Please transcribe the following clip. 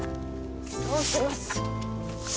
そうします！